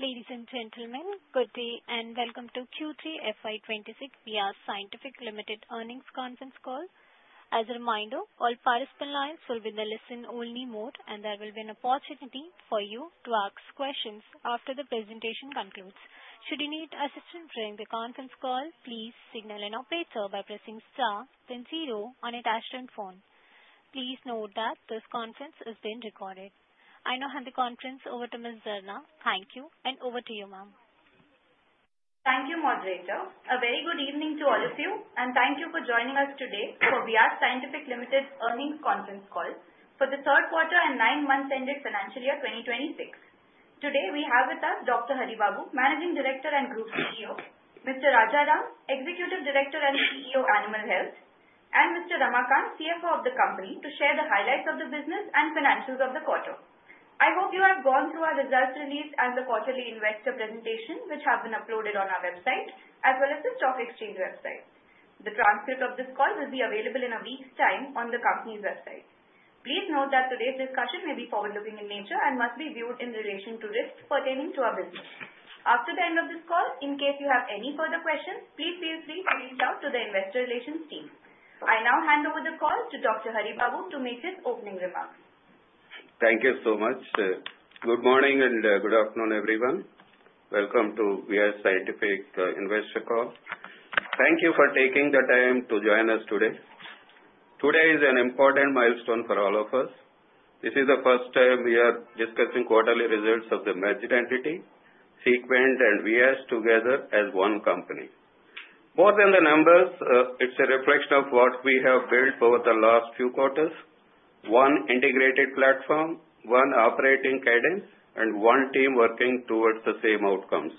Ladies and gentlemen, good day and welcome to Q3 FY 2026 Viyash Scientific Limited earnings conference call. As a reminder, all participant lines will be in a listen-only mode and there will be an opportunity for you to ask questions after the presentation concludes. Should you need assistance during the conference call, please signal an operator by pressing star then zero on a touch-tone phone. Please note that this conference is being recorded. I now hand the conference over to Ms. Zarna. Thank you, and over to you, ma'am. Thank you, moderator. A very good evening to all of you, and thank you for joining us today for Viyash Scientific Limited earnings conference call for the third quarter and nine months ended financial year 2026. Today we have with us Dr. Haribabu, Managing Director and Group CEO, Mr. Rajaram, Executive Director and CEO, Animal Health, and Mr. Ramakant, CFO of the company to share the highlights of the business and financials of the quarter. I hope you have gone through our results release and the quarterly investor presentation, which have been uploaded on our website as well as the stock exchange website. The transcript of this call will be available in a week's time on the company's website. Please note that today's discussion may be forward-looking in nature and must be viewed in relation to risks pertaining to our business. After the end of this call, in case you have any further questions, please feel free to reach out to the investor relations team. I now hand over the call to Dr. Haribabu to make his opening remarks. Thank you so much. Good morning and good afternoon, everyone. Welcome to Viyash Scientific investor call. Thank you for taking the time to join us today. Today is an important milestone for all of us. This is the first time we are discussing quarterly results of the merged entity, Sequent and Viyash together as one company. More than the numbers, it's a reflection of what we have built over the last few quarters, one integrated platform, one operating cadence, and one team working towards the same outcomes.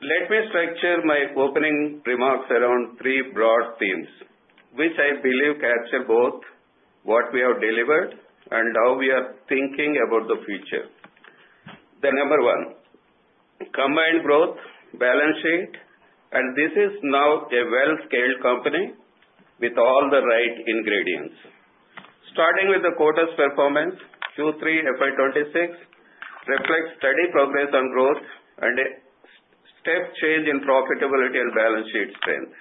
Let me structure my opening remarks around three broad themes, which I believe capture both what we have delivered and how we are thinking about the future. The number one, combined growth, balance sheet, and this is now a well-scaled company with all the right ingredients. Starting with the quarter's performance, Q3 FY 2026 reflects steady progress on growth and a step change in profitability and balance sheet strength.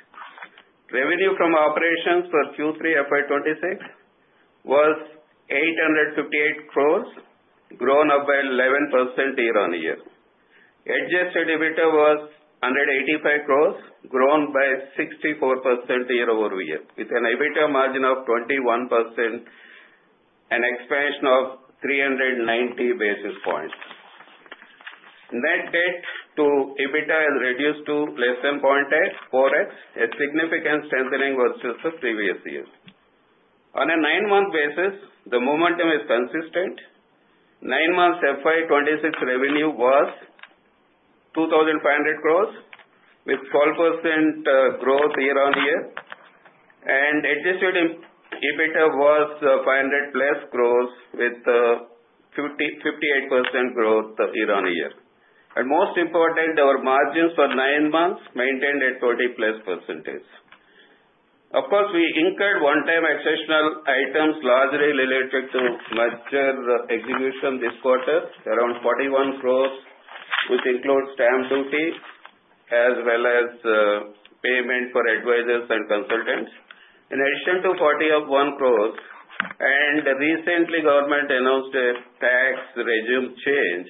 Revenue from operations for Q3 FY 2026 was 858 crores, grown up by 11% year-on-year. Adjusted EBITDA was 185 crores, grown by 64% year-over-year, with an EBITDA margin of 21%, an expansion of 390 basis points. Net debt to EBITDA is reduced to less than 0.4x, a significant strengthening versus the previous year. On a nine-month basis, the momentum is consistent. Nine months FY 2026 revenue was 2,500 crores with 12% growth year-on-year. Adjusted EBITDA was INR 500+ crores with 58% growth year-on-year. Most important, our margins for nine months maintained at 40%+. Of course, we incurred one-time exceptional items largely related to merger execution this quarter, around 41 crores, which includes stamp duty as well as payment for advisors and consultants. In addition to 41 crores and recently government announced a tax regime change,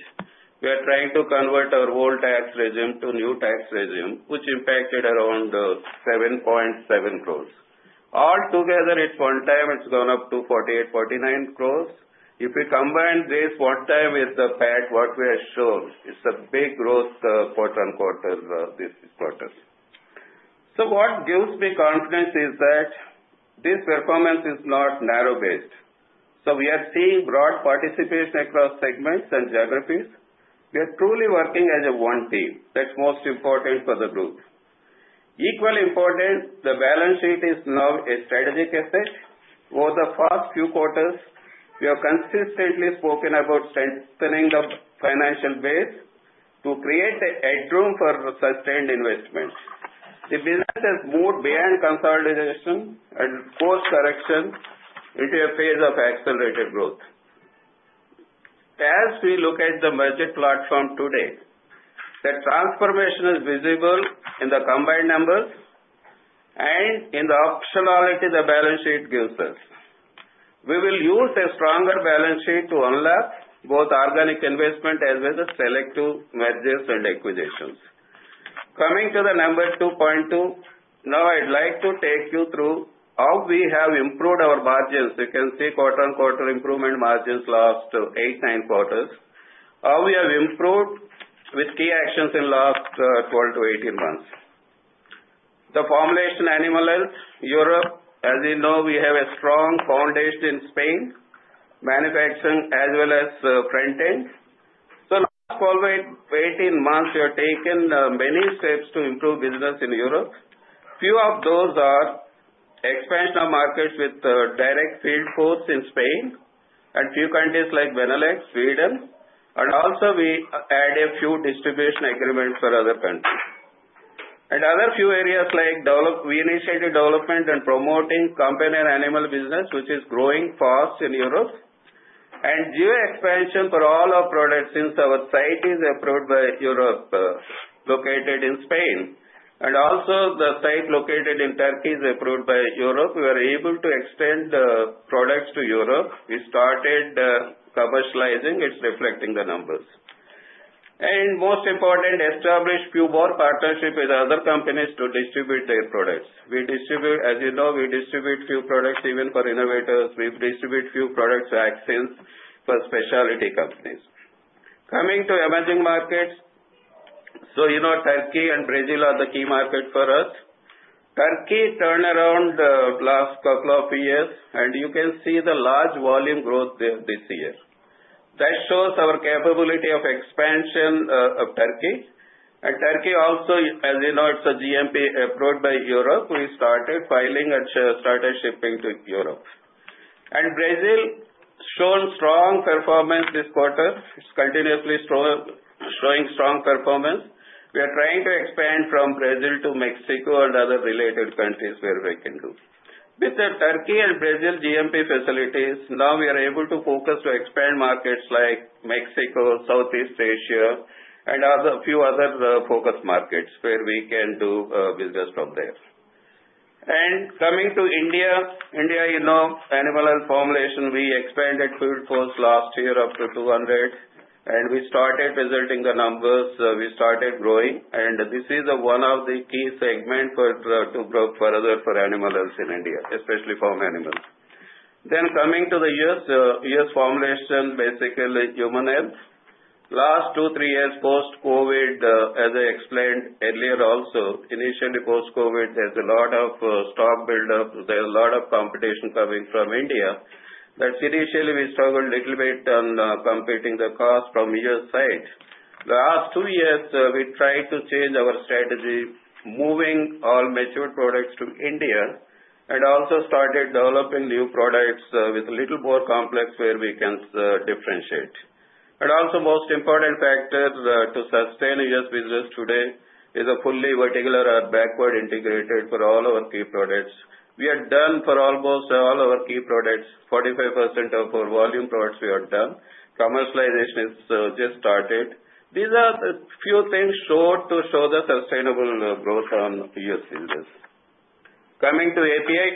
we are trying to convert our old tax regime to new tax regime, which impacted around 7.7 crores. All together at one time, it's gone up to 48-49 crores. If we combine this one time with the PAT, what we have shown it's a big growth quarter-on-quarter this quarter. What gives me confidence is that this performance is not narrow-based. We are seeing broad participation across segments and geographies. We are truly working as a one team. That's most important for the group. Equally important, the balance sheet is now a strategic asset. Over the past few quarters, we have consistently spoken about strengthening of financial base to create a headroom for sustained investments. The business has moved beyond consolidation and course correction into a phase of accelerated growth. As we look at the merger platform today, the transformation is visible in the combined numbers and in the optionality the balance sheet gives us. We will use a stronger balance sheet to unlock both organic investment as well as selective mergers and acquisitions. Coming to the number 2.2, now I'd like to take you through how we have improved our margins. You can see quarter-on-quarter improvement margins last eight, nine quarters. How we have improved with key actions in last 12-18 months. The formulation Animal Health Europe, as you know, we have a strong foundation in Spain, manufacturing as well as front end. Last 12, 18 months, we have taken many steps to improve business in Europe. Few of those are expansion of markets with direct field force in Spain and few countries like Benelux, Sweden, and also we add a few distribution agreements for other countries. Other few areas like we initiated development and promoting companion animal business, which is growing fast in Europe. Geo expansion for all our products since our site is approved by Europe, located in Spain. Also the site located in Turkey is approved by Europe. We are able to extend the products to Europe. We started commercializing, it's reflecting the numbers. Most important, established few more partnership with other companies to distribute their products. As you know, we distribute few products even for innovators. We distribute few products, Axens, for specialty companies. Coming to emerging markets. You know, Turkey and Brazil are the key market for us. Turkey turn around last couple of years, and you can see the large volume growth there this year. That shows our capability of expansion of Turkey. Turkey also, as you know, it's a GMP approved by Europe, we started filing and started shipping to Europe. Brazil shown strong performance this quarter. It's continuously showing strong performance. We are trying to expand from Brazil to Mexico and other related countries where we can do. With the Turkey and Brazil GMP facilities, now we are able to focus to expand markets like Mexico, Southeast Asia, and a few other focus markets where we can do business from there. Coming to India. India, you know, animal health formulation, we expanded full force last year up to 200, and we started presenting the numbers. We started growing, and this is one of the key segment to grow further for animal health in India, especially farm animals. Coming to the U.S. U.S. formulation, basically human health. Last two, three years post-COVID, as I explained earlier also, initially post-COVID, there's a lot of stock build-up, there's a lot of competition coming from India. Initially we struggled little bit on competing the cost from U.S. sites. The last two years, we tried to change our strategy, moving all mature products to India, and also started developing new products with little more complex where we can differentiate. Also most important factor to sustain U.S. business today is a fully vertical or backward integrated for all our key products. We are done for almost all our key products. 45% of our volume products we are done. Commercialization is just started. These are few things to show the sustainable growth on U.S. business. Coming to API.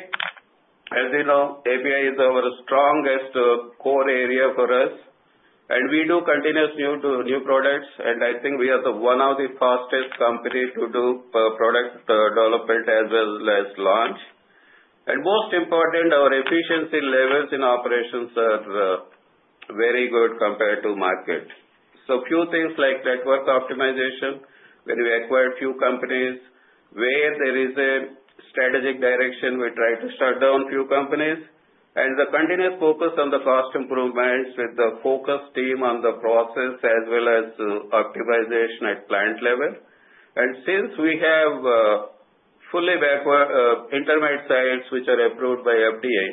As you know, API is our strongest core area for us, we do continuous new products, I think we are the one of the fastest company to do product development as well as launch. Most important, our efficiency levels in operations are very good compared to market. Few things like network optimization, when we acquired few companies, where there is a strategic direction, we try to shut down few companies. The continuous focus on the cost improvements with the focus team on the process as well as optimization at plant level. Since we have fully backward intermediate sites, which are approved by FDA,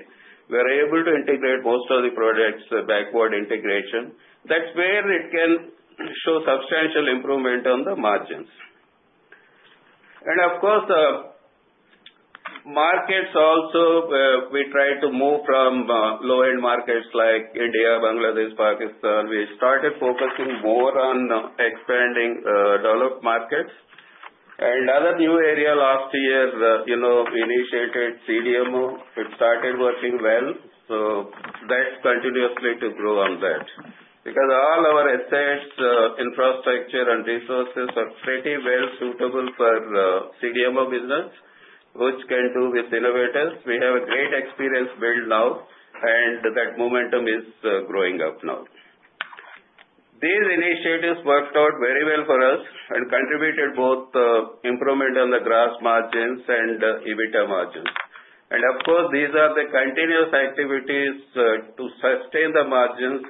we're able to integrate most of the products with backward integration. That's where it can show substantial improvement on the margins. Markets also, we try to move from low-end markets like India, Bangladesh, Pakistan. We started focusing more on expanding developed markets. Other new area last year, we initiated CDMO, it started working well. That's continuously to grow on that. Because all our assets, infrastructure, and resources are pretty well suitable for CDMO business, which can do with innovators. We have a great experience built now, and that momentum is growing up now. These initiatives worked out very well for us and contributed both improvement on the gross margins and EBITDA margins. These are the continuous activities to sustain the margins,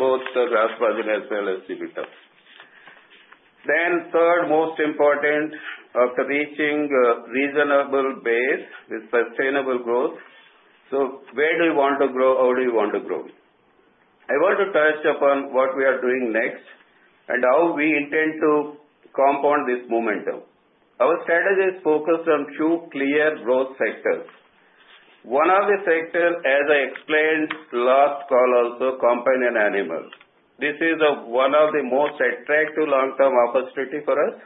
both the gross margin as well as EBITDA. Third most important after reaching reasonable base with sustainable growth. Where do you want to grow? How do you want to grow? I want to touch upon what we are doing next and how we intend to compound this momentum. Our strategy is focused on two clear growth sectors. One of the sector, as I explained last call also, companion animals. This is one of the most attractive long-term opportunity for us,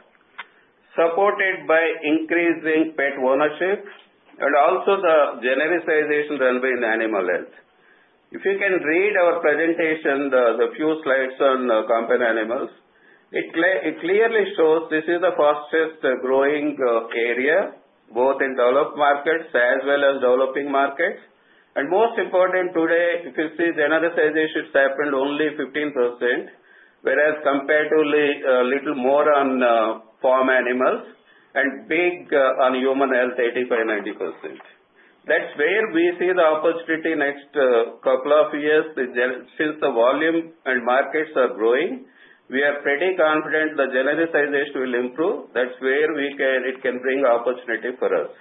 supported by increasing pet ownership and also the genericization level in animal health. If you can read our presentation, the few slides on companion animals, it clearly shows this is the fastest growing area, both in developed markets as well as developing markets. Most important today, if you see genericization happened only 15%, whereas comparatively little more on farm animals and big on human health, 85%, 90%. That's where we see the opportunity next couple of years. Since the volume and markets are growing, we are pretty confident that genericization will improve. That's where it can bring opportunity for us.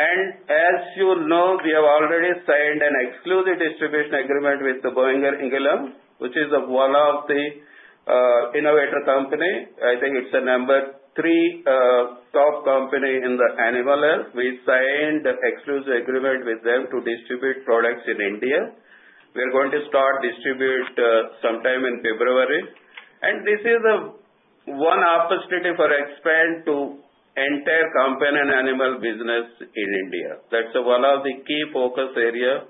As you know, we have already signed an exclusive distribution agreement with the Boehringer Ingelheim, which is one of the innovator company. I think it's the number three top company in the animal health. We signed the exclusive agreement with them to distribute products in India. We are going to start distribute sometime in February. This is one opportunity for expand to enter companion animal business in India. That's one of the key focus area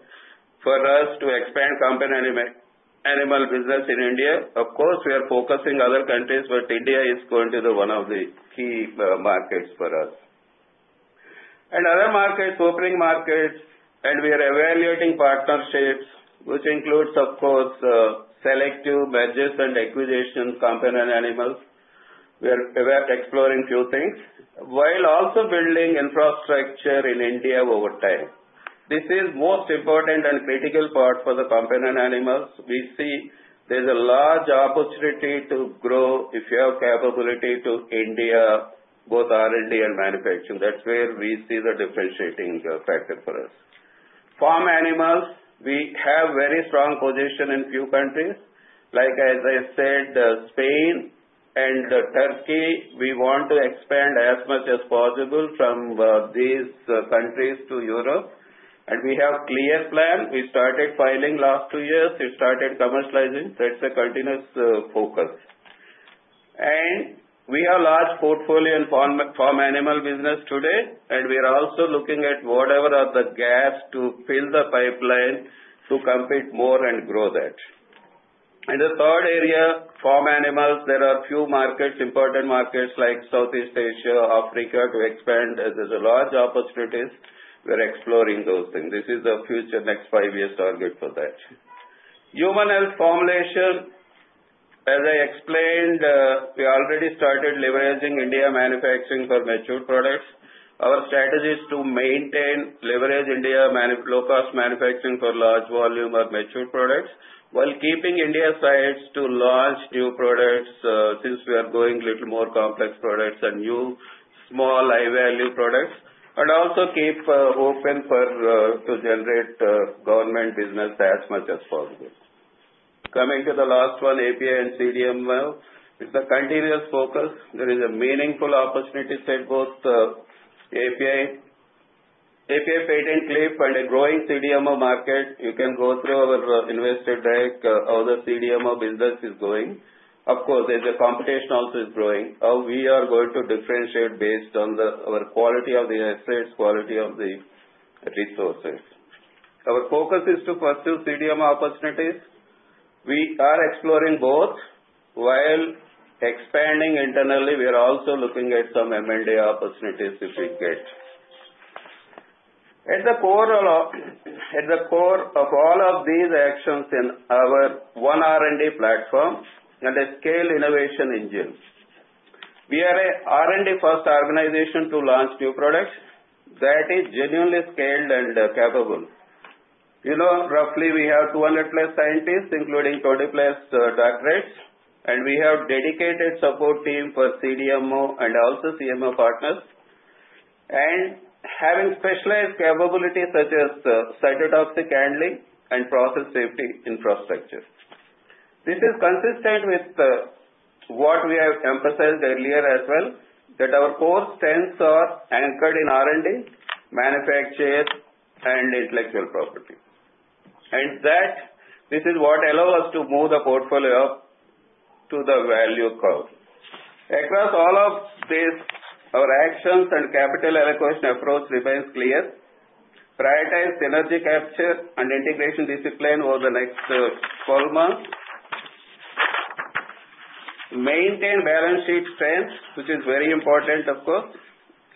for us to expand companion animal business in India. Of course, we are focusing other countries, but India is going to be one of the key markets for us. Other markets, opening markets, and we are evaluating partnerships, which includes, of course, selective mergers and acquisitions, companion animals. We are exploring few things, while also building infrastructure in India over time. This is most important and critical part for the companion animals. We see there's a large opportunity to grow if you have capability to India, both R&D and manufacturing. That's where we see the differentiating factor for us. Farm animals, we have very strong position in few countries. Like as I said, Spain and Turkey, we want to expand as much as possible from these countries to Europe. We have clear plan. We started filing last two years. We started commercializing. That's a continuous focus. We have large portfolio in farm animal business today, and we are also looking at whatever are the gaps to fill the pipeline to compete more and grow that. In the third area, farm animals, there are few markets, important markets like Southeast Asia, Africa, to expand, as there's a large opportunities. We're exploring those things. This is the future next five years target for that. Human health formulation, as I explained, we already started leveraging India manufacturing for mature products. Our strategy is to maintain leverage India low cost manufacturing for large volume of mature products, while keeping India sites to launch new products, since we are going little more complex products and new small high-value products, and also keep open to generate government business as much as possible. Coming to the last one, API and CDMO. It is a continuous focus. There is a meaningful opportunity set, both API patent cliff and a growing CDMO market. You can go through our investor deck, how the CDMO business is going. Of course, as the competition also is growing, how we are going to differentiate based on our quality of the assets, quality of the resources. Our focus is to pursue CDMO opportunities. We are exploring both while expanding internally. We are also looking at some M&A opportunities if we get. At the core of all of these actions is our One R&D platform and a scale innovation engine. We are a R&D first organization to launch new products that is genuinely scaled and capable. Roughly we have 200-plus scientists, including 20-plus doctorates, and we have dedicated support team for CDMO and also CMO partners. Having specialized capabilities such as cytotoxic handling and process safety infrastructure. This is consistent with what we have emphasized earlier as well, that our core strengths are anchored in R&D, manufacture, and intellectual property. That this is what allows us to move the portfolio to the value curve. Across all of this, our actions and capital allocation approach remains clear. Prioritize synergy capture and integration discipline over the next 12 months. Maintain balance sheet strength, which is very important, of course.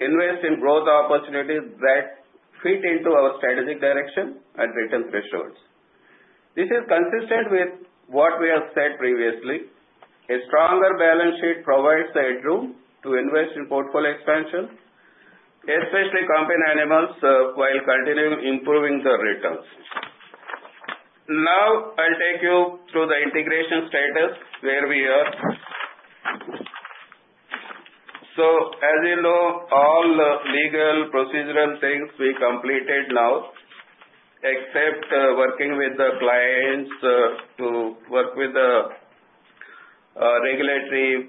Invest in growth opportunities that fit into our strategic direction and return thresholds. This is consistent with what we have said previously. A stronger balance sheet provides the headroom to invest in portfolio expansion, especially companion animals, while continuing improving the returns. I'll take you through the integration status, where we are. As you know, all legal procedural things we completed now, except working with the clients to work with the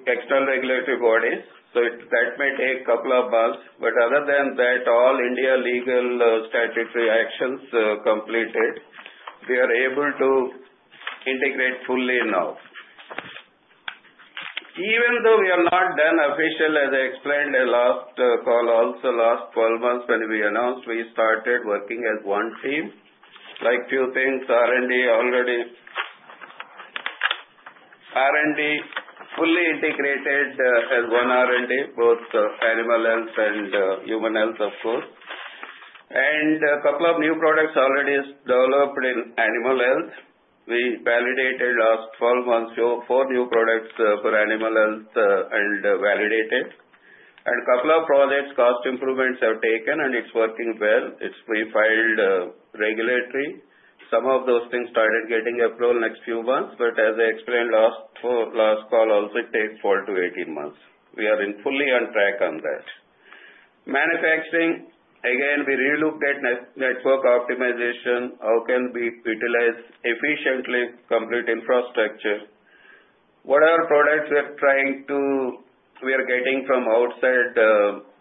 external regulatory bodies. That may take couple of months, other than that, all India legal statutory actions completed. We are able to integrate fully now. Even though we have not done official, as I explained last call also, last 12 months when we announced, we started working as one team. Like few things, R&D already fully integrated as one R&D, both animal health and human health, of course. A couple of new products already developed in animal health. We validated last 12 months, four new products for animal health and validated. Couple of projects, cost improvements have taken, and it's working well. It's pre-filed regulatory. Some of those things started getting approval next few months, but as I explained last call also, it takes 4-18 months. We are fully on track on that. Manufacturing, again, we relooked at network optimization. How can we utilize efficiently complete infrastructure? Whatever products we are getting from outside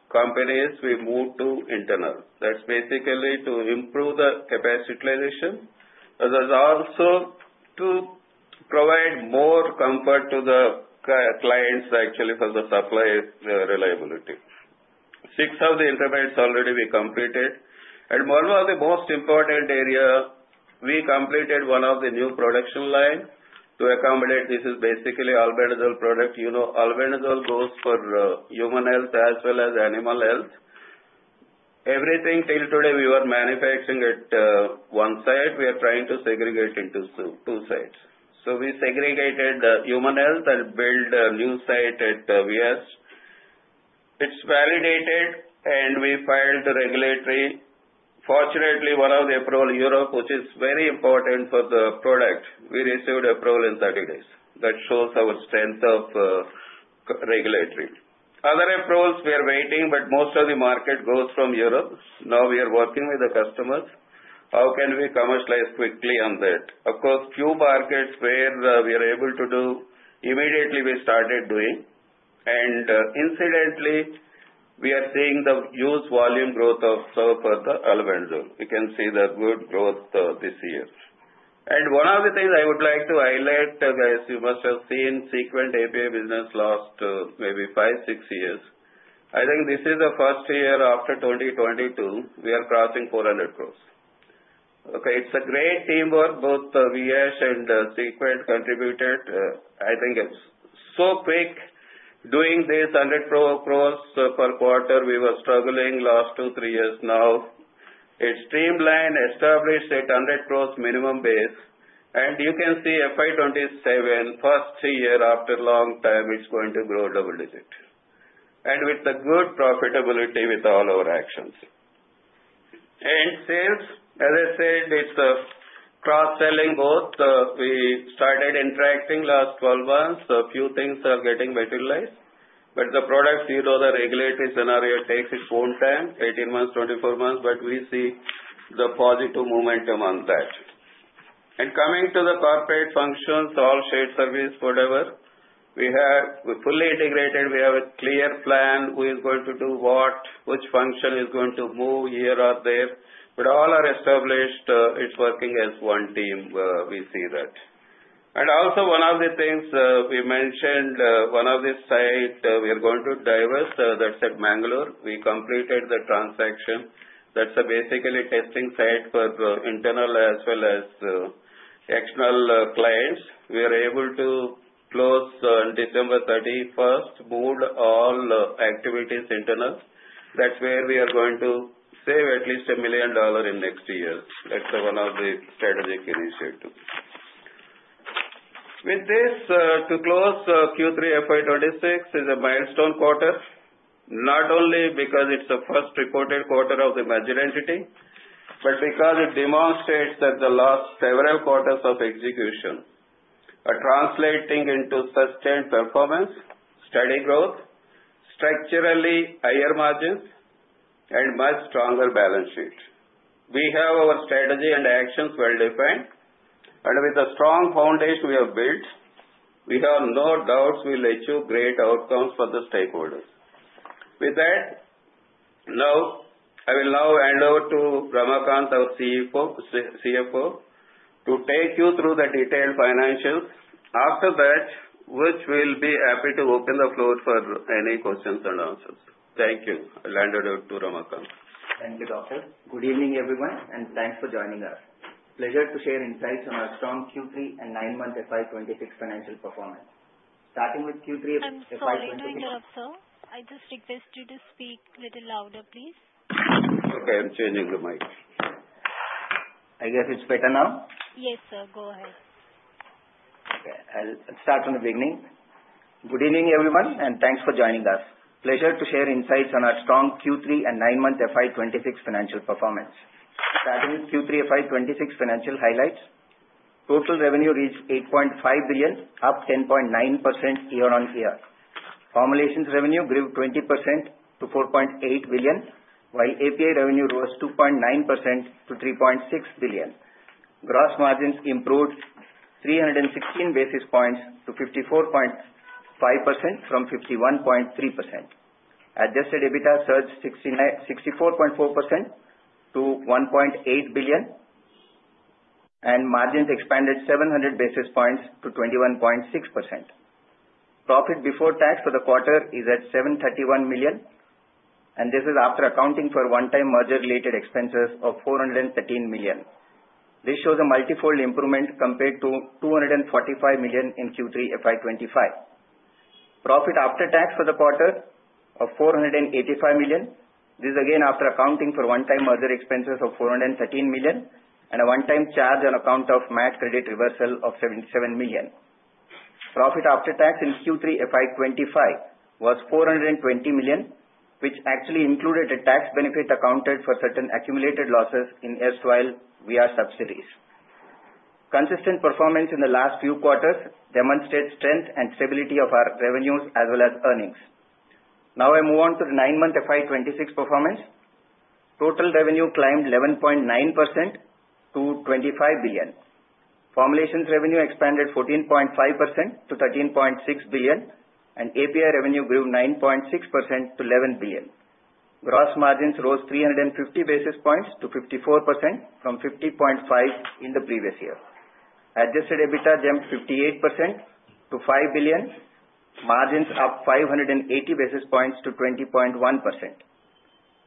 companies, we move to internal. That's basically to improve the capacity utilization. That's also to provide more comfort to the clients, actually for the supply reliability. Six of the interface already we completed. One of the most important area, we completed one of the new production line to accommodate. This is basically albendazole product. You know albendazole goes for human health as well as animal health. Everything till today we were manufacturing at one site, we are trying to segregate into two sites. We segregated the human health and build a new site at Viyash. It's validated and we filed the regulatory. Fortunately, one of the approval Europe, which is very important for the product, we received approval in 30 days. That shows our strength of regulatory. Other approvals, we are waiting, most of the market goes from Europe. We are working with the customers. How can we commercialize quickly on that? Of course, few markets where we are able to do, immediately we started doing. Incidentally, we are seeing the huge volume growth for the albendazole. We can see the good growth this year. One of the things I would like to highlight, guys, you must have seen Sequent API business last maybe five, six years. I think this is the first year after 2022, we are crossing 400 crores. Okay, it's a great teamwork. Both Viyash and Sequent contributed. I think it's so quick doing this 100 crores per quarter. We were struggling last two, three years now. It streamlined, established at 100 crores minimum base, and you can see FY 2027, first three year after long time, it's going to grow double-digit. With a good profitability with all our actions. Sales, as I said, it's a cross-selling both. We started interacting last 12 months. A few things are getting materialized. The products, you know the regulatory scenario takes its own time, 18 months, 24 months, but we see the positive momentum on that. Coming to the corporate functions, all shared service, whatever. We fully integrated. We have a clear plan. Who is going to do what, which function is going to move here or there. All are established. It's working as one team, we see that. Also one of the things, we mentioned one of the site we are going to divest, that's at Mangalore. We completed the transaction. That's a basically testing site for internal as well as external clients. We are able to close on December 31st, moved all activities internal. That's where we are going to save at least INR 1 million in next year. That's one of the strategic initiatives. With this, to close Q3 FY 2026 is a milestone quarter, not only because it's the first reported quarter of the merged entity, but because it demonstrates that the last several quarters of execution are translating into sustained performance, steady growth, structurally higher margins, and much stronger balance sheet. We have our strategy and actions well-defined, and with the strong foundation we have built, we have no doubts we'll achieve great outcomes for the stakeholders. With that, I will now hand over to Ramakant, our CFO, to take you through the detailed financials. After that, we'll be happy to open the floor for any questions and answers. Thank you. I'll hand it over to Ramakant. Thank you, Doctor. Good evening, everyone, and thanks for joining us. Pleasure to share insights on our strong Q3 and nine-month FY 2026 financial performance. Starting with Q3. I'm sorry to interrupt, sir. I just request you to speak little louder, please. Okay, I'm changing the mic. I guess it's better now. Yes, sir. Go ahead. Okay. I'll start from the beginning. Good evening, everyone, and thanks for joining us. Pleasure to share insights on our strong Q3 and nine-month FY 2026 financial performance. Starting with Q3 FY 2026 financial highlights. Total revenue reached 8.5 billion, up 10.9% year-on-year. Formulations revenue grew 20% to 4.8 billion, while API revenue rose 2.9% to 3.6 billion. Gross margins improved 316 basis points to 54.5% from 51.3%. Adjusted EBITDA surged 64.4% to 1.8 billion, and margins expanded 700 basis points to 21.6%. Profit before tax for the quarter is at 731 million. This is after accounting for one-time merger-related expenses of 413 million. This shows a multifold improvement compared to 245 million in Q3 FY 2025. Profit after tax for the quarter of 485 million. This is again after accounting for one-time merger expenses of 413 million and a one-time charge on account of MAT credit reversal of 77 million. Profit after tax in Q3 FY 2025 was 420 million, which actually included a tax benefit accounted for certain accumulated losses in Sequent's earlier subsidies. Consistent performance in the last few quarters demonstrates strength and stability of our revenues as well as earnings. I move on to the nine-month FY 2026 performance. Total revenue climbed 11.9% to 25 billion. Formulations revenue expanded 14.5% to 13.6 billion, and API revenue grew 9.6% to 11 billion. Gross margins rose 350 basis points to 54%, from 50.5% in the previous year. Adjusted EBITDA jumped 58% to 5 billion. Margins up 580 basis points to 20.1%.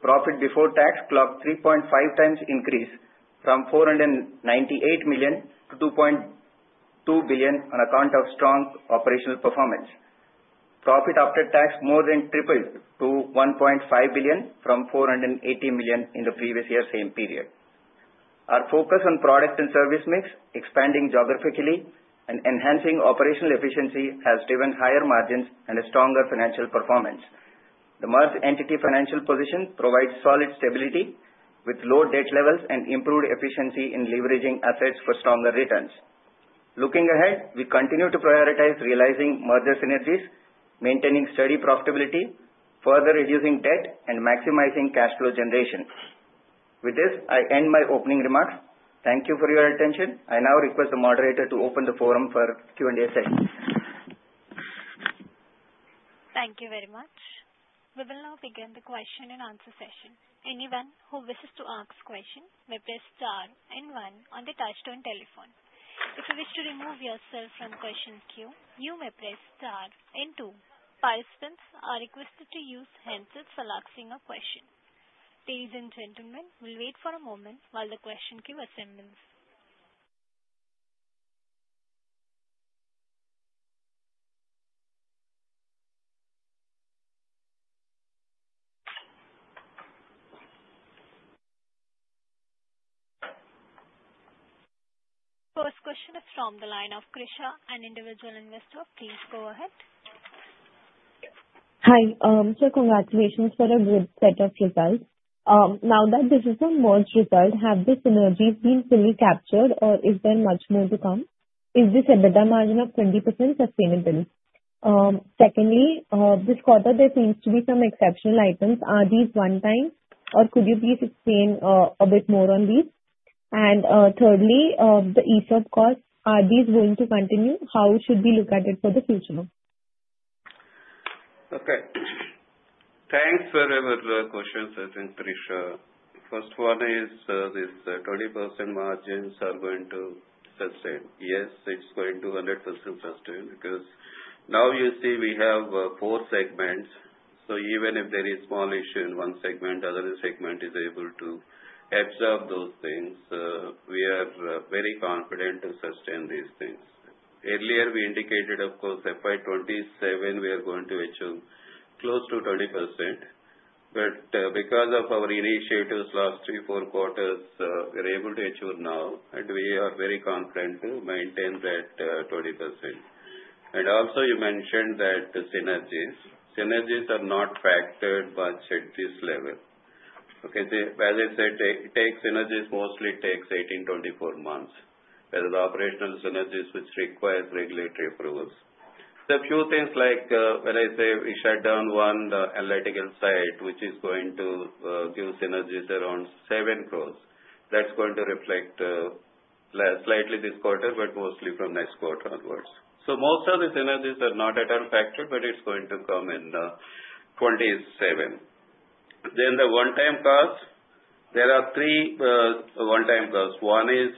Profit before tax clocked 3.5x increase from 498 million to 2.2 billion on account of strong operational performance. Profit after tax more than tripled to 1.5 billion from 480 million in the previous year same period. Our focus on product and service mix, expanding geographically and enhancing operational efficiency has driven higher margins and a stronger financial performance. The merged entity financial position provides solid stability with low debt levels and improved efficiency in leveraging assets for stronger returns. Looking ahead, we continue to prioritize realizing merger synergies, maintaining steady profitability, further reducing debt, and maximizing cash flow generation. With this, I end my opening remarks. Thank you for your attention. I now request the moderator to open the forum for Q&A session. Thank you very much. We will now begin the question-and-answer session. Anyone who wishes to ask question may press star and one on the touch-tone telephone. If you wish to remove yourself from question queue, you may press star and two. Participants are requested to use handsets for asking a question. Ladies and gentlemen, we'll wait for a moment while the question queue assembles. First question is from the line of Krisha, an individual investor. Please go ahead. Hi. Sir, congratulations for a good set of results. Now that this is a merged result, have the synergies been fully captured or is there much more to come? Is this EBITDA margin of 20% sustainable? Secondly, this quarter there seems to be some exceptional items. Are these one-time, or could you please explain a bit more on these? Thirdly, the ESOP costs, are these going to continue? How should we look at it for the future? Thanks for your questions, Krisha. First one is, this 20% margins are going to sustain. Yes, it is going to 100% sustain because now you see we have four segments. Even if there is small issue in one segment, other segment is able to absorb those things. We are very confident to sustain these things. Earlier we indicated, of course, FY 2027, we are going to achieve close to 20%. Because of our initiatives last three, four quarters, we are able to achieve now, and we are very confident to maintain that 20%. Also you mentioned that synergies. Synergies are not factored but set this level. Okay. As I said, synergies mostly takes 18, 24 months. There is operational synergies which requires regulatory approvals. There are few things like, when I say we shut down one analytical site, which is going to give synergies around 7 crores. That's going to reflect slightly this quarter, but mostly from next quarter onwards. Most of the synergies are not at all factored, but it's going to come in 2027. The one-time cost. There are three one-time costs. One is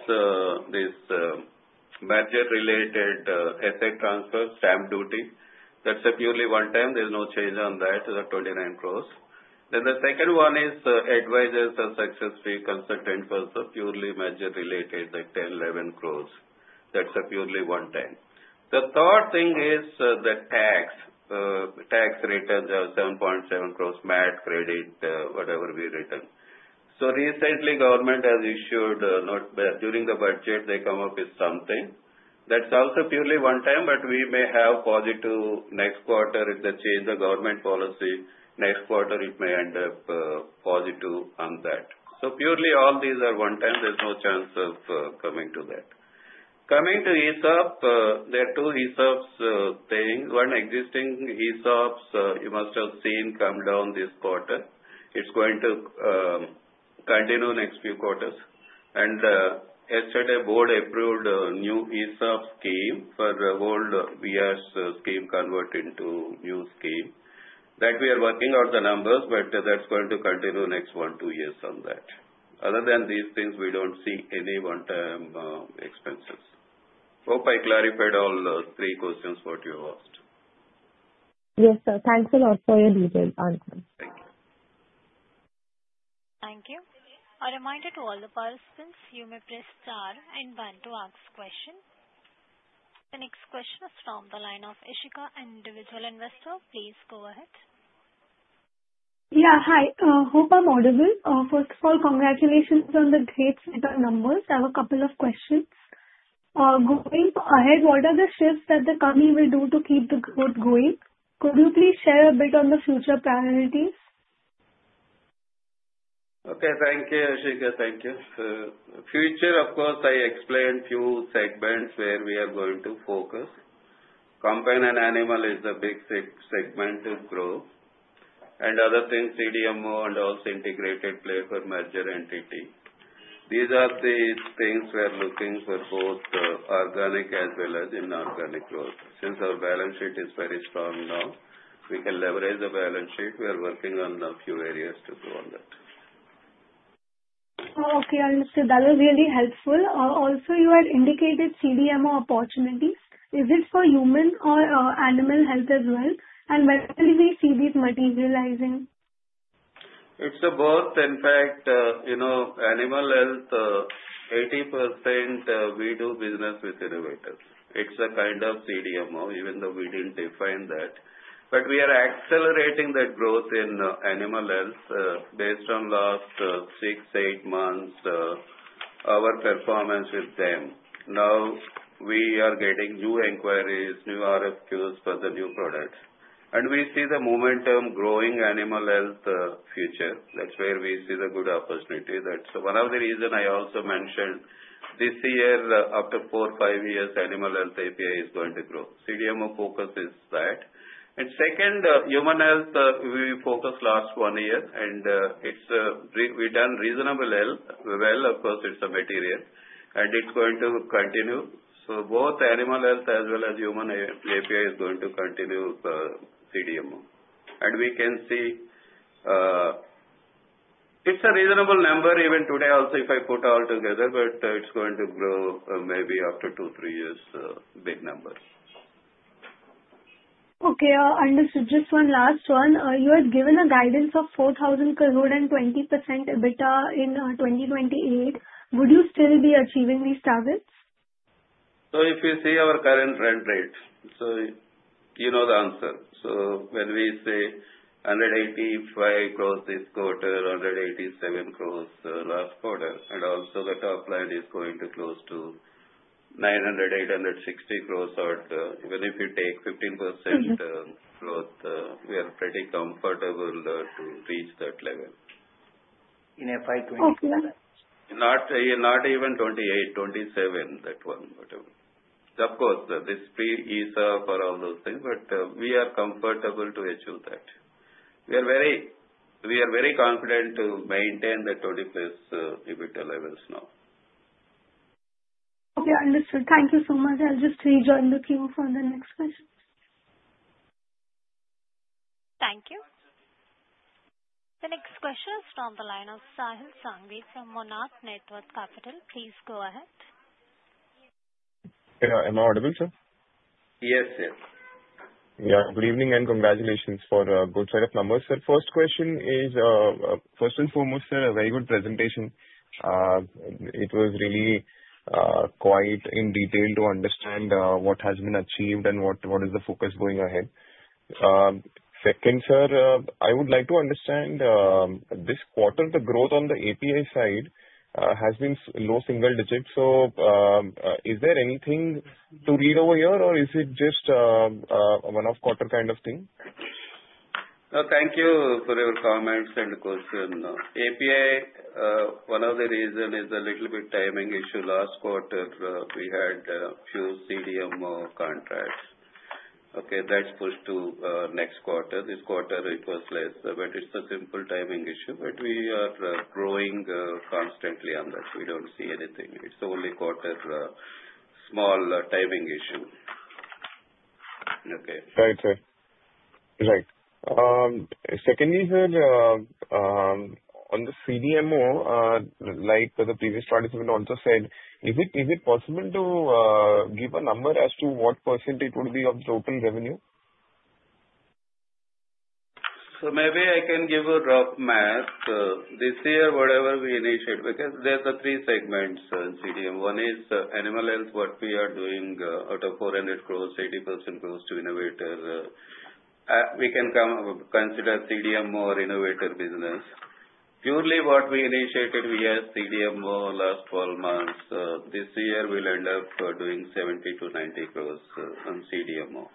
this merger related asset transfer, stamp duty. That's a purely one time. There's no change on that. That is 29 crores. The second one is advisors and success fee consultant for purely merger related, like 10-11 crores. That's a purely one time. The third thing is the tax returns are 7.7 crores, MAT credit, whatever we return. Recently, government has issued note. During the budget, they come up with something. That's also purely one time, but we may have positive next quarter if they change the government policy. Next quarter, it may end up positive on that. Purely all these are one time. There's no chance of coming to that. Coming to ESOP, there are two ESOPs thing. One existing ESOPs, you must have seen come down this quarter. It's going to continue next few quarters. Yesterday, board approved a new ESOP scheme for old VS scheme convert into new scheme. That we are working out the numbers, but that's going to continue next one, two years on that. Other than these things, we don't see any one-time expenses. Hope I clarified all those three questions what you asked. Yes, sir. Thanks a lot for your detailed answers. Thank you. Thank you. The next question is from the line of Ishika, an individual investor. Please go ahead. Yeah. Hi. Hope I'm audible. First of all, congratulations on the great set of numbers. I have a couple of questions. Going ahead, what are the shifts that the company will do to keep the growth going? Could you please share a bit on the future priorities? Okay. Thank you, Ishika. Thank you. Future, of course, I explained few segments where we are going to focus. Companion animal is the big segment to grow. Other thing, CDMO and also integrated play for merger entity. These are the things we are looking for both organic as well as inorganic growth. Since our balance sheet is very strong now, we can leverage the balance sheet. We are working on a few areas to grow on that. Oh, okay. Understood. That was really helpful. Also you had indicated CDMO opportunities. Is it for human or animal health as well? When will we see these materializing? It's the both. In fact, animal health, 80% we do business with innovators. It's a kind of CDMO, even though we didn't define that. We are accelerating that growth in animal health, based on last six, eight months, our performance with them. Now we are getting new inquiries, new RFQs for the new products. We see the momentum growing animal health future. That's where we see the good opportunity. That's one of the reason I also mentioned this year, after four, five years, animal health API is going to grow. CDMO focus is that. Second, human health, we focused last one year, and we've done reasonable well. Of course, it's a material, and it's going to continue. Both animal health as well as human API is going to continue the CDMO. We can see, it's a reasonable number even today also, if I put all together, but it's going to grow maybe after two, three years, big numbers. Okay. Understood. Just one last one. You had given a guidance of 4,000 crore and 20% EBITDA in 2028. Would you still be achieving these targets? If you see our current run rates, so you know the answer. When we say 185 crores this quarter, 187 crores last quarter, and also the top line is going to close to 900, 860 crores. Even if you take 15% growth, we are pretty comfortable to reach that level. In FY 2028. Okay. Not even 2028, 2027, that one, whatever. Of course, this speed ease up for all those things, but we are comfortable to achieve that. We are very confident to maintain the 20+ EBITDA levels now. Okay, understood. Thank you so much. I'll just rejoin the queue for the next questions. Thank you. The next question is from the line of Sahil Sanghvi from Monarch Networth Capital. Please go ahead. Yeah. Am I audible, sir? Yes, yes. Good evening, and congratulations for a good set of numbers, sir. First question is, first and foremost, sir, very good presentation. It was really quite in detail to understand what has been achieved and what is the focus going ahead. Second, sir, I would like to understand, this quarter, the growth on the API side has been low single digits. Is there anything to read over here, or is it just a one-off quarter kind of thing? No, thank you for your comments and question. API, one of the reason is a little bit timing issue. Last quarter, we had a few CDMO contracts. Okay, that's pushed to next quarter. This quarter it was less. It's a simple timing issue. We are growing constantly on that. We don't see anything. It's only quarter small timing issue. Okay. Right, sir. Right. Secondly, sir, on the CDMO, like the previous participant also said, is it possible to give a number as to what percentage it would be of total revenue? Maybe I can give a rough math. This year, whatever we initiate, because there's three segments in CDMO. One is animal health, what we are doing out of 400 crores, 80% goes to innovator. We can consider CDMO or innovator business. Purely what we initiated, we as CDMO last 12 months, this year we'll end up doing 70-90 crores from CDMO.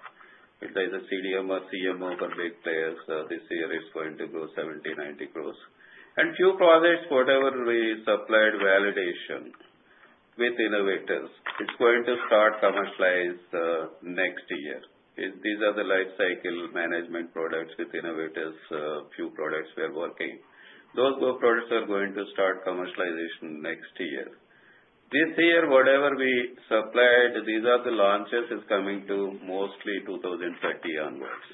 If there's a CDMO, CMO complete players, this year it's going to grow 70-90 crores. Few projects, whatever we supplied validation with innovators, it's going to start commercialize next year. These are the life cycle management products with innovators, few products we are working. Those two products are going to start commercialization next year. This year, whatever we supplied, these are the launches, is coming to mostly 2030 onwards.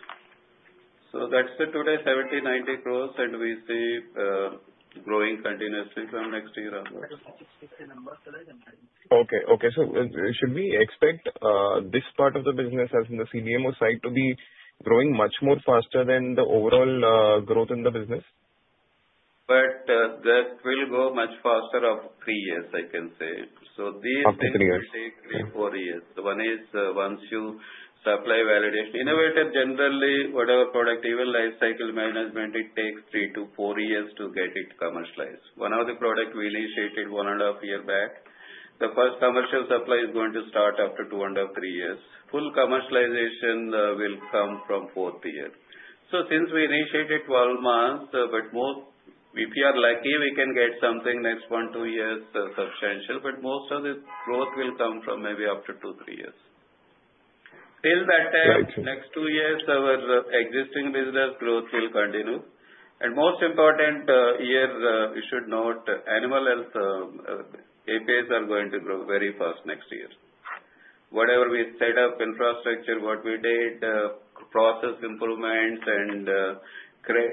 That's it today, 70, 90 crores, and we see growing continuously from next year onwards. That was the 2026, 2027 number, sir. Okay. Should we expect this part of the business, as in the CDMO side, to be growing much more faster than the overall growth in the business? That will go much faster of three years, I can say. Up to three years. These things will take three or four years. One is once you supply validation. Innovative, generally, whatever product, even life cycle management, it takes three to four years to get it commercialized. One of the products we initiated one and a half years back, the first commercial supply is going to start after two and a half, three years. Full commercialization will come from fourth year. Since we initiated 12 months, if we are lucky, we can get something next one, two years substantial, but most of the growth will come from maybe after two, three years. Right. Next two years, our existing business growth will continue. Most important year, we should note, animal health APIs are going to grow very fast next year. Whatever we set up infrastructure, what we did, process improvements and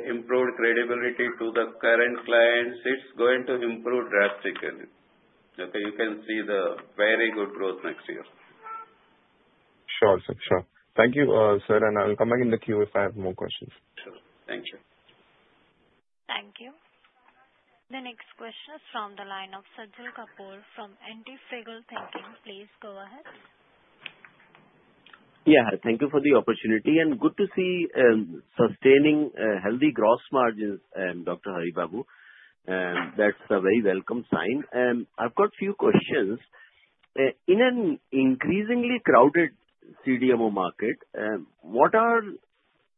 improved credibility to the current clients, it is going to improve drastically. You can see the very good growth next year. Sure. Thank you, sir. I'll come back in the queue if I have more questions. Sure. Thank you. Thank you. The next question is from the line of Sajal Kapoor from Antifragile Thinking. Please go ahead. Thank you for the opportunity, and good to see sustaining healthy gross margins, Dr. Haribabu. That's a very welcome sign. I've got few questions. In an increasingly crowded CDMO market, what are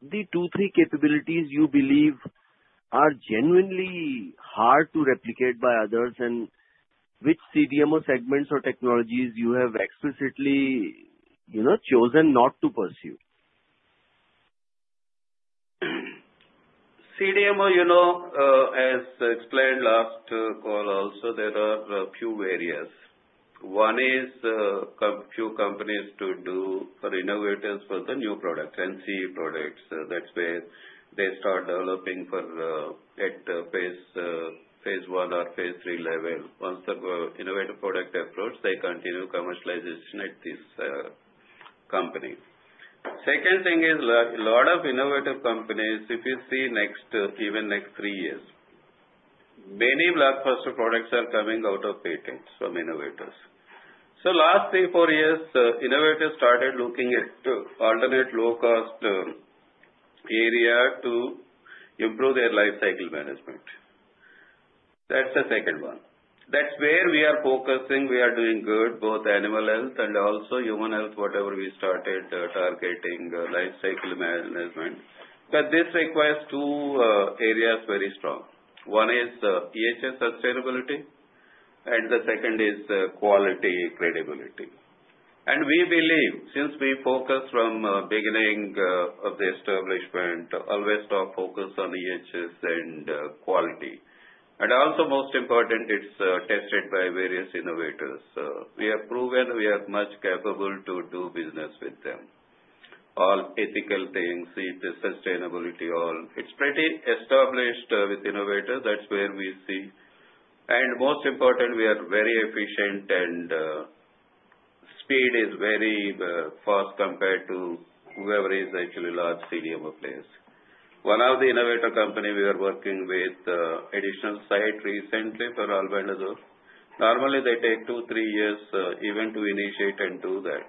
the two, three capabilities you believe are genuinely hard to replicate by others, and which CDMO segments or technologies you have explicitly chosen not to pursue? CDMO, as explained last call also, there are a few areas. One is few companies to do for innovators, for the new products, NCE products. That's where they start developing at phase I or phase III level. Once the innovative product approach, they continue commercialization at this company. Second thing is lot of innovative companies, if you see even next three years, many blockbuster products are coming out of patents from innovators. Last three, four years, innovators started looking at alternate low-cost area to improve their life cycle management. That's the second one. That's where we are focusing. We are doing good, both animal health and also human health, whatever we started targeting life cycle management. This requires two areas very strong. One is EHS sustainability, and the second is quality credibility. We believe, since we focus from beginning of the establishment, always focus on EHS and quality. Also most important, it's tested by various innovators. We have proven we are much capable to do business with them. All ethical things, see the sustainability, all. It's pretty established with innovators. That's where we see. Most important, we are very efficient and speed is very fast compared to whoever is actually large CDMO players. One of the innovator company we are working with, additional site recently for albendazole. Normally, they take two, three years even to initiate and do that.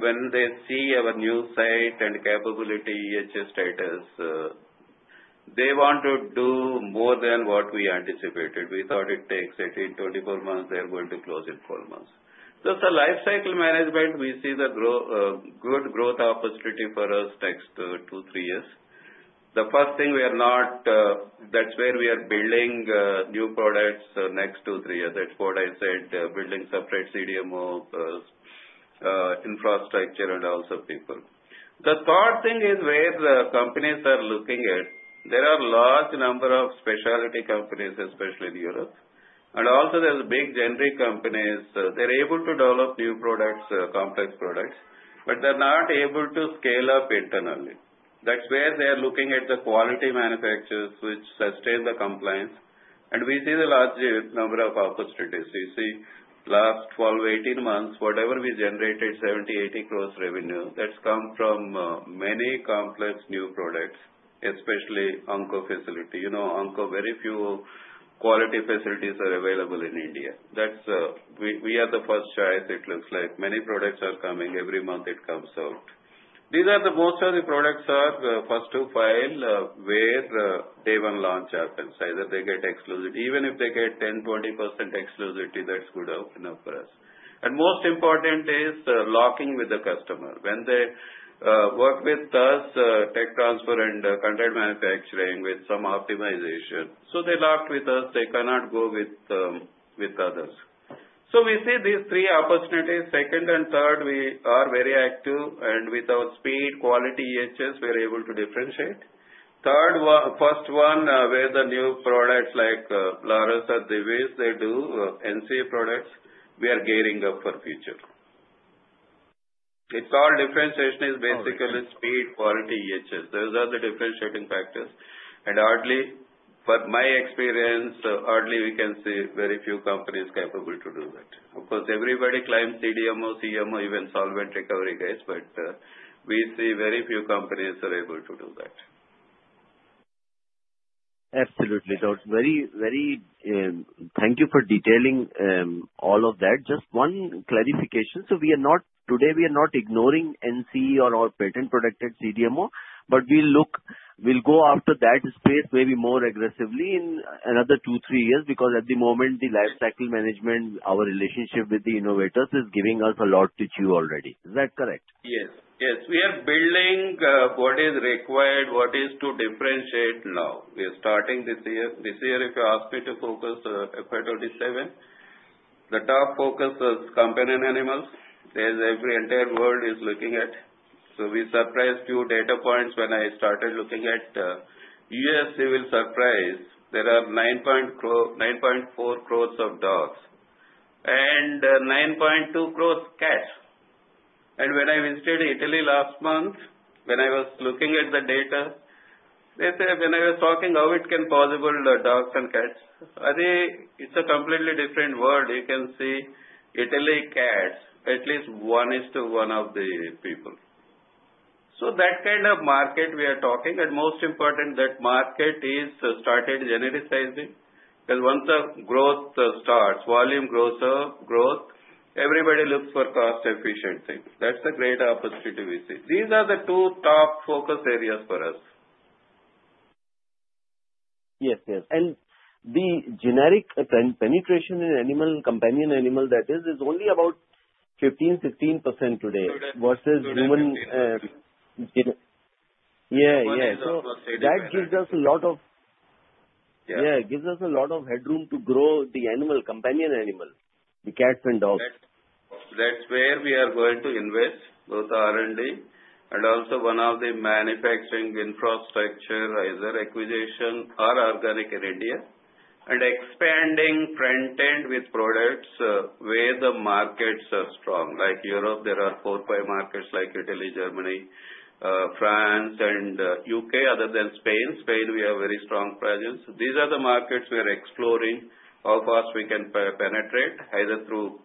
When they see our new site and capability, EHS status, they want to do more than what we anticipated. We thought it takes 18-24 months. They're going to close in four months. For lifecycle management, we see the good growth opportunity for us next two to three years. The first thing, that's where we are building new products next two to three years. That's what I said, building separate CDMO infrastructure and also people. The third thing is where the companies are looking at, there are large number of specialty companies, especially in Europe, and also there's big generic companies. They're able to develop new products, complex products, but they're not able to scale up internally. That's where they're looking at the quality manufacturers which sustain the compliance. We see the large number of opportunities. We see last 12-18 months, whatever we generated, 70-80 gross revenue, that's come from many complex new products, especially onco facility. Onco, very few quality facilities are available in India. We are the first choice, it looks like. Many products are coming. Every month it comes out. These are the most of the products are first-to-file where day one launch happens. Either they get exclusivity. Even if they get 10%-20% exclusivity, that's good enough for us. Most important is locking with the customer. When they work with us, tech transfer and contract manufacturing with some optimization. They locked with us, they cannot go with others. We see these three opportunities. Second and third, we are very active, and with our speed, quality, EHS, we're able to differentiate. First one, where the new products like Laurus or Divi's, they do NCE products. We are gearing up for future. It's all differentiation is basically speed, quality, EHS. Those are the differentiating factors. Hardly, for my experience, hardly we can see very few companies capable to do that. Of course, everybody claims CDMO, CMO, even solvent recovery guys, but we see very few companies are able to do that. Absolutely. Thank you for detailing all of that. Just one clarification. Today, we are not ignoring NCE or patent-protected CDMO, but we'll go after that space maybe more aggressively in another two, three years, because at the moment, the life cycle management, our relationship with the innovators is giving us a lot to chew already. Is that correct? Yes. We are building what is required, what is to differentiate now. We are starting this year. This year, if you ask me to focus on FY 2027, the top focus is companion animals, as the entire world is looking at. We were surprised by a few data points when I started looking at. You will be surprised, there are 9.4 crores of dogs and 9.2 crores cats. When I visited Italy last month, when I was looking at the data, when I was talking how it can be possible, the dogs and cats. It's a completely different world. You can see Italy cats, at least one is to one of the people. That kind of market we are talking, and most important, that market has started genericizing. Once the growth starts, volume growth, everybody looks for cost-efficient things. That's a great opportunity we see. These are the two top focus areas for us. Yes. The generic penetration in companion animal that is only about 15% today versus human. Yeah Gives us a lot of headroom to grow the companion animal, the cats and dogs. That's where we are going to invest both R&D and also one of the manufacturing infrastructure, either acquisition or organic in India, and expanding front end with products where the markets are strong. Like Europe, there are four, five markets like Italy, Germany, France, and U.K., other than Spain. Spain, we have very strong presence. These are the markets we are exploring how fast we can penetrate, either through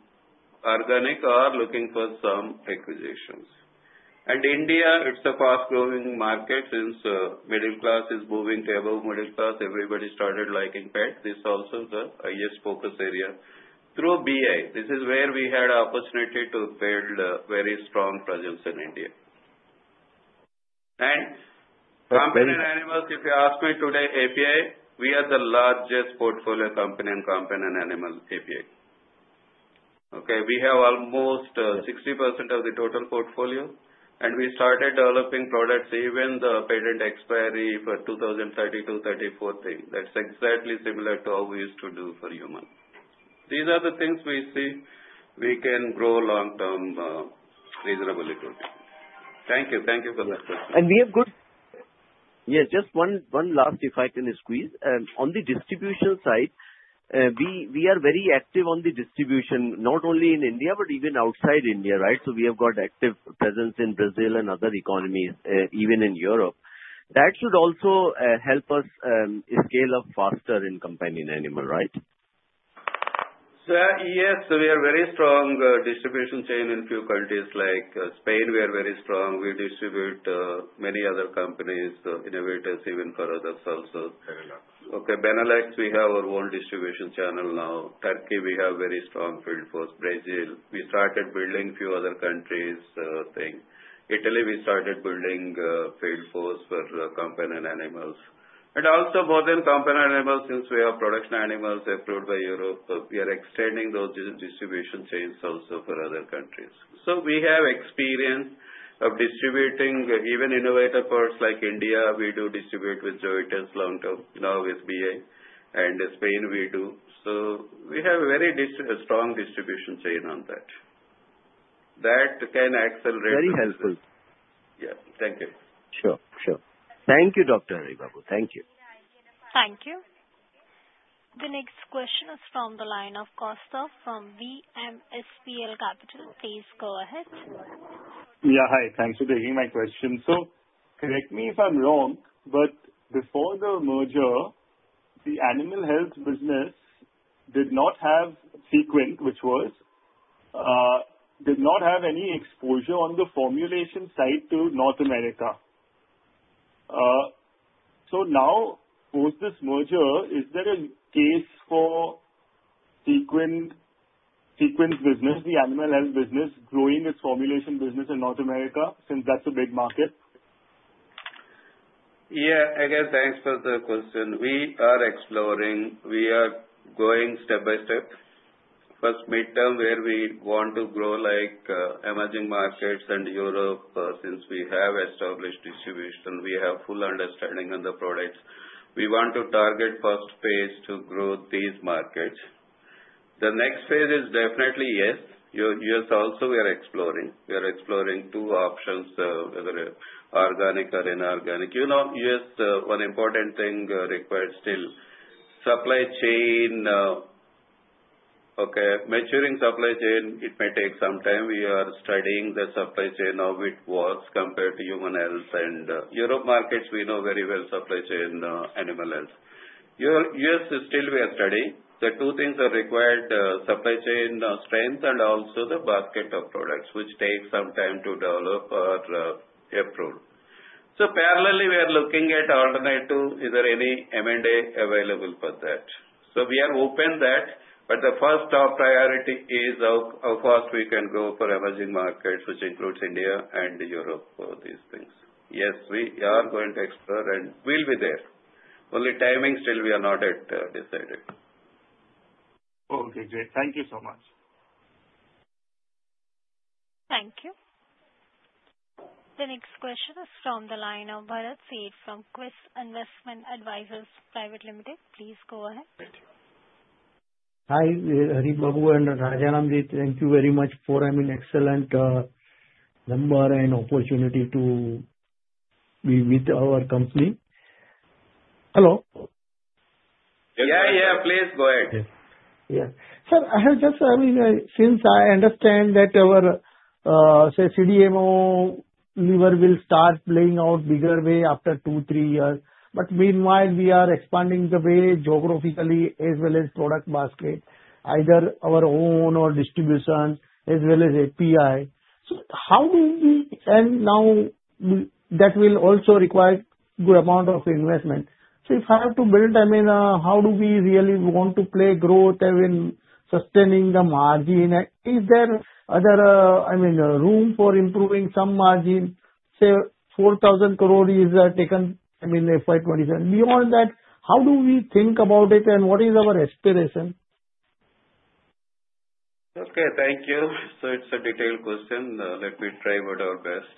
organic or looking for some acquisitions. India, it's a fast-growing market since middle class is moving to above middle class. Everybody started liking pet. This is also the highest focus area through BA. This is where we had opportunity to build a very strong presence in India. That's very. Companion animals, if you ask me today, API, we are the largest portfolio company in companion animal API. Okay. We have almost 60% of the total portfolio, and we started developing products even the patent expiry for 2032, 2034, 2036. That's exactly similar to how we used to do for human. These are the things we see we can grow long-term reasonably good. Thank you. Thank you for that question. Yeah, just one last, if I can squeeze. On the distribution side, we are very active on the distribution, not only in India, but even outside India, right? We have got active presence in Brazil and other economies, even in Europe. That should also help us scale up faster in companion animal, right? Yes, we have very strong distribution chain in few countries. Like Spain, we are very strong. We distribute many other companies, innovators, even for others also. Benelux. Okay, Benelux, we have our own distribution channel now. Turkey, we have very strong field force. Brazil. We started building few other countries. Italy, we started building field force for companion animals. Also more than companion animals, since we have production animals approved by Europe, we are extending those distribution chains also for other countries. We have experience of distributing even innovator products like India, we do distribute with joint venture long-term now with BA, and Spain, we do. We have a very strong distribution chain on that. Very helpful. Yeah. Thank you. Sure. Thank you, Dr. Haribabu. Thank you. Thank you. The next question is from the line of Kaustav from VMSPL Capital. Please go ahead. Yeah, hi. Thanks for taking my question. Correct me if I'm wrong, but before the merger, the animal health business did not have Sequent, did not have any exposure on the formulation side to North America. Now post this merger, is there a case for Sequent's business, the animal health business, growing its formulation business in North America since that's a big market? I guess thanks for the question. We are exploring. We are going step by step. First midterm, where we want to grow emerging markets and Europe, since we have established distribution, we have full understanding on the products. We want to target first phase to grow these markets. The next phase is definitely, yes, U.S. also, we are exploring. We are exploring two options, whether organic or inorganic. You know, U.S., one important thing required still. Supply chain, maturing supply chain, it may take some time. We are studying the supply chain, how it works compared to human health. Europe markets, we know very well supply chain animal health. U.S. still we are studying. The two things are required, supply chain strength and also the basket of products, which takes some time to develop or approve. Parallelly, we are looking at alternative, is there any M&A available for that? We are open for that, but the first top priority is how fast we can go for emerging markets, which includes India and Europe for these things. Yes, we are going to explore and we'll be there. Only timing still we are not yet decided. Okay, great. Thank you so much. Thank you. The next question is from the line of Bharat Sheth from Quest Investment Advisors Private Limited. Please go ahead. Thank you. Hi, Haribabu and Rajaram Narayanan. Thank you very much for, I mean, excellent number and opportunity to be with our company. Hello? Yeah, please go ahead. Yeah. Sir, since I understand that our CDMO lever will start playing out bigger way after two, three years. Meanwhile, we are expanding the way geographically as well as product basket, either our own or distribution as well as API. Now that will also require good amount of investment. If I have to build, how do we really want to play growth, sustaining the margin? Is there other room for improving some margin, say, 4,000 crore is taken, FY 2027. Beyond that, how do we think about it and what is our aspiration? Okay, thank you. It's a detailed question. Let me try with our best.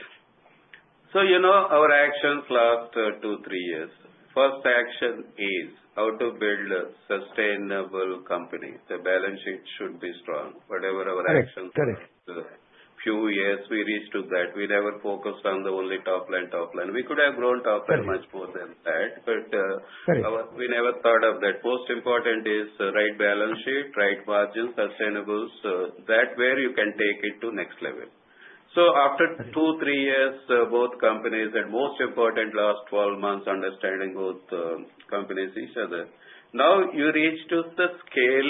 You know our actions last two, three years. First action is how to build a sustainable company. The balance sheet should be strong. Correct. few years we reached to that. We never focused on the only top line. We could have grown top line much more than that. Correct. We never thought of that. Most important is right balance sheet, right margin, sustainable. That way you can take it to next level. After two, three years both companies, and most important last 12 months, understanding both companies, each other. Now you reach to the scale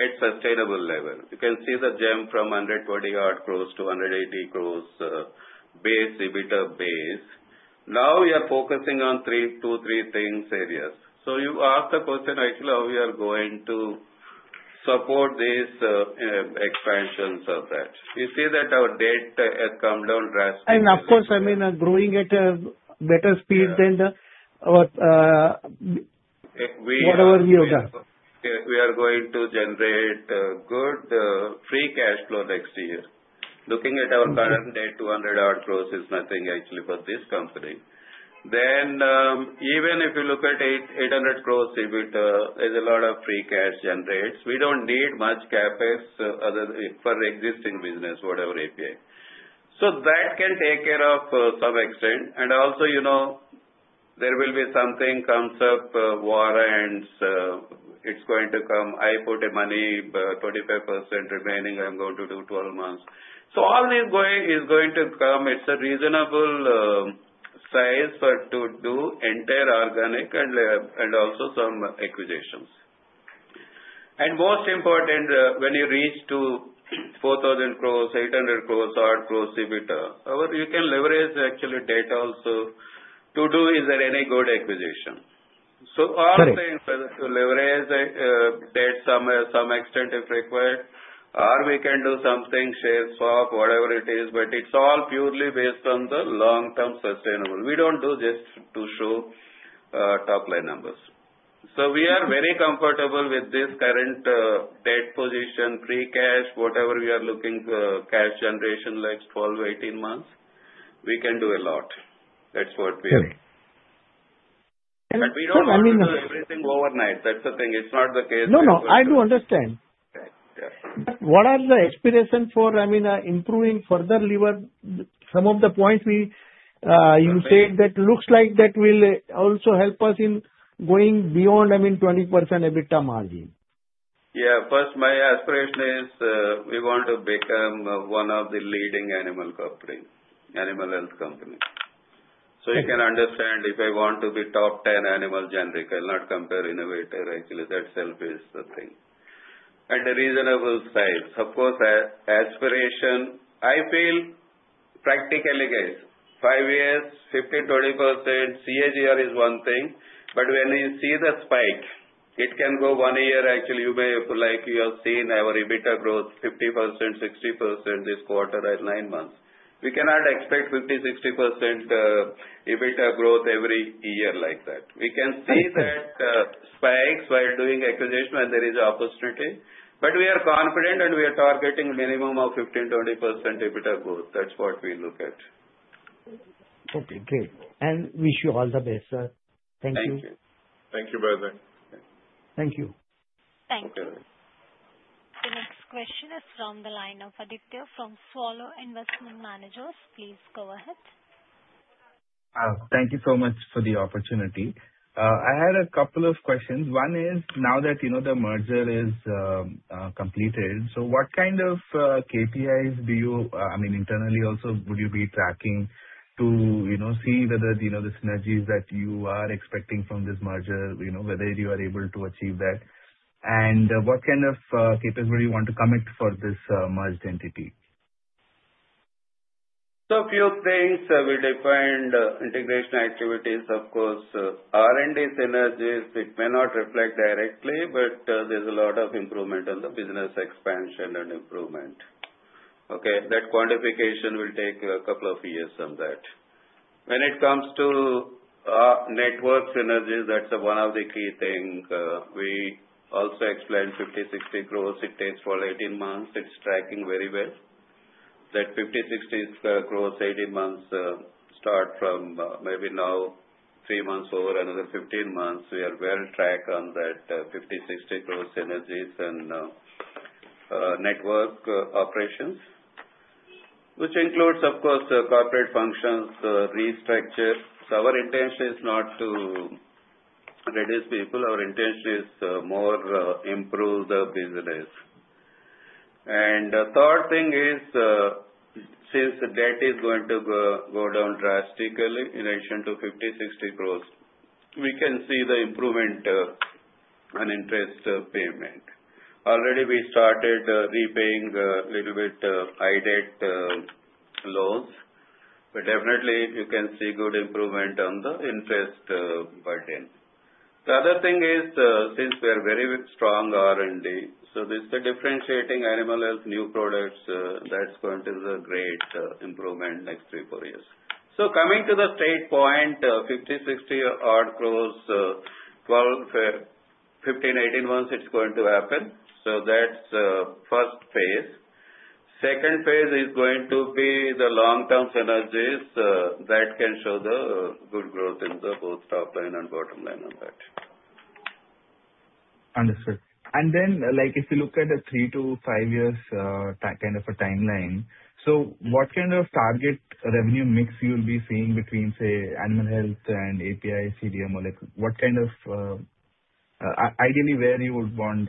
at sustainable level. You can see the jump from 120 odd crores to 180 crores base, EBITDA base. Now we are focusing on two, three things, areas. You asked the question, actually, how we are going to support these expansions of that. You see that our debt has come down drastically. Of course, growing at a better speed than whatever we have done. We are going to generate good free cash flow next year. Looking at our current debt, 200 odd crores is nothing actually for this company. Even if you look at 800 crores EBITDA, is a lot of free cash generates. That can take care of some extent, and also there will be something comes up, warrants, it's going to come. I put money, 25% remaining, I'm going to do 12 months. All is going to come. It's a reasonable size for to do entire organic and also some acquisitions. Most important, when you reach to 4,000 crores, 800 crores, INR odd crores EBITDA, you can leverage actually debt also to do is there any good acquisition. Right. All the things, whether to leverage debt some extent if required or we can do something, share swap, whatever it is, but it's all purely based on the long-term sustainable. We don't do just to show top-line numbers. We are very comfortable with this current debt position, free cash, whatever we are looking cash generation next 12-18 months, we can do a lot. Right. We don't want to do everything overnight. That's the thing. It's not the case that- No, I do understand. Right. Yeah. What are the aspirations for improving further lever? Some of the points you said that looks like that will also help us in going beyond, I mean, 20% EBITDA margin. Yeah. First, my aspiration is we want to become one of the leading animal health company. You can understand if I want to be top 10 animal generic, I'll not compare innovator. Actually, that itself is the thing. At a reasonable size. Of course, aspiration, I feel practically guys, five years, 15%-20% CAGR is one thing, but when you see the spike, it can go one year actually like you have seen our EBITDA growth 50%-60% this quarter at nine months. We cannot expect 50%-60% EBITDA growth every year like that. We can see that spikes while doing acquisition when there is opportunity. We are confident and we are targeting minimum of 15%-20% EBITDA growth. That's what we look at. Okay, great. Wish you all the best, sir. Thank you. Thank you. Thank you, Bharat. Thank you. Thank you. Okay. The next question is from the line of Aditya from Sowilo Investment Managers. Please go ahead. Thank you so much for the opportunity. I had a couple of questions. One is, now that the merger is completed, what kind of KPIs, internally also, would you be tracking to see whether the synergies that you are expecting from this merger, whether you are able to achieve that? What kind of capability you want to commit for this merged entity? A few things. We defined integration activities, of course. R&D synergies, it may not reflect directly, but there's a lot of improvement on the business expansion and improvement. Okay. That quantification will take a couple of years on that. It comes to network synergies, that's one of the key things. We also explained 50, 60 growth it takes for 18 months. It's tracking very well. That 50, 60 growth, 18 months, start from maybe now three months over another 15 months. We are well on track on that 50, 60 growth synergies and network operations, which includes, of course, corporate functions, restructure. Our intention is not to reduce people. Our intention is more improve the business. The third thing is, since the debt is going to go down drastically in relation to 50, 60 growth, we can see the improvement on interest payment. Already we started repaying a little bit high debt loans, but definitely you can see good improvement on the interest burden. The other thing is, since we are very strong R&D, so this is the differentiating animal health new products, that's going to be a great improvement next three, four years. Coming to the straight point, 50 odd growth, 15-18 months, it's going to happen. That's the first phase. Second phase is going to be the long-term synergies that can show the good growth in the both top line and bottom line on that. Understood. If you look at a three to five years kind of a timeline, what kind of target revenue mix you'll be seeing between, say, animal health and API, CDMO? Ideally,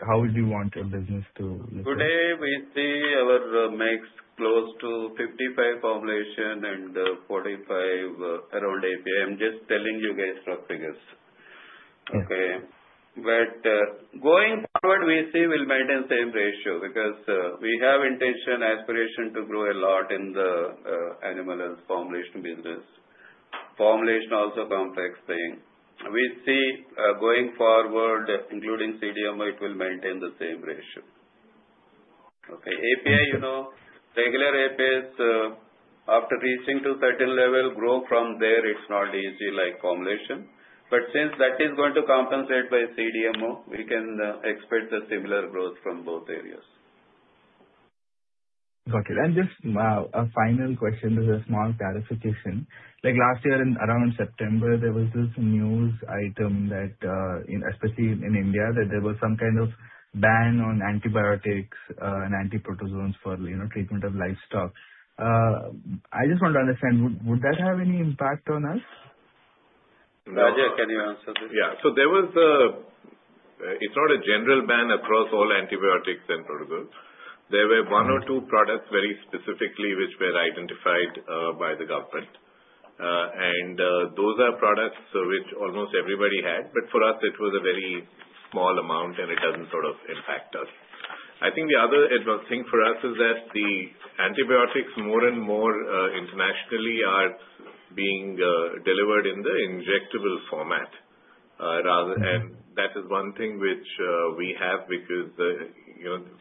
how would you want your business to look like? Today, we see our mix close to 55 formulation and 45 around API. I'm just telling you guys rough figures. Okay. Going forward, we see we'll maintain same ratio because we have intention, aspiration to grow a lot in the animal health formulation business. Formulation also complex thing. We see going forward, including CDMO, it will maintain the same ratio. Okay. API, you know, regular APIs, after reaching to certain level, grow from there, it's not easy like formulation. Since that is going to compensate by CDMO, we can expect a similar growth from both areas. Got it. Just a final question, just a small clarification. Last year around in September, there was this news item, especially in India, that there was some kind of ban on antibiotics and antiprotozoans for treatment of livestock. I just want to understand, would that have any impact on us? Raja, can you answer this? It's not a general ban across all antibiotics and protozoans. There were one or two products very specifically which were identified by the government. Those are products which almost everybody had. For us, it was a very small amount, and it doesn't impact us. I think the other thing for us is that the antibiotics more and more internationally are being delivered in the injectable format. That is one thing which we have because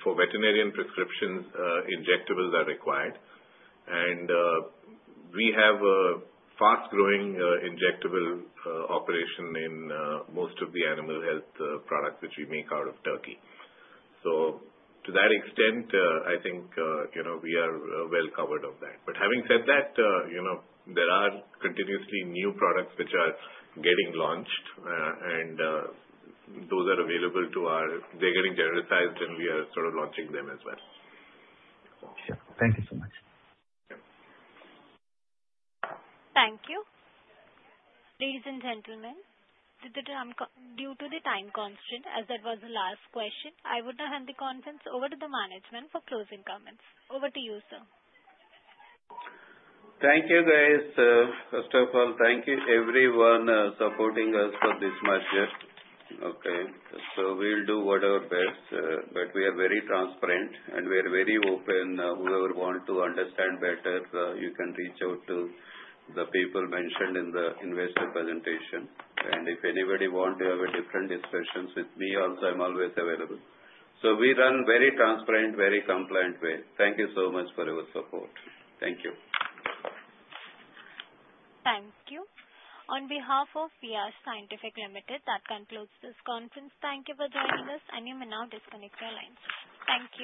for veterinarian prescriptions, injectables are required. We have a fast-growing injectable operation in most of the animal health products which we make out of Turkey. To that extent, I think we are well covered of that. Having said that, there are continuously new products which are getting launched, and they're getting genericized and we are sort of launching them as well. Sure. Thank you so much. Sure. Thank you. Ladies and gentlemen, due to the time constraint, as that was the last question, I would now hand the conference over to the management for closing comments. Over to you, sir. Thank you, guys. First of all, thank you everyone supporting us for this merger. Okay. We'll do whatever best, but we are very transparent and we are very open. Whoever want to understand better, you can reach out to the people mentioned in the investor presentation. If anybody want to have a different discussions with me also, I'm always available. We run very transparent, very compliant way. Thank you so much for your support. Thank you. Thank you. On behalf of Viyash Scientific Limited, that concludes this conference. Thank you for joining us. You may now disconnect your lines. Thank you.